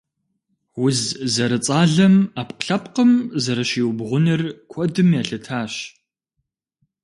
Уз зэрыцӀалэм Ӏэпкълъэпкъым зэрыщиубгъуныр куэдым елъытащ.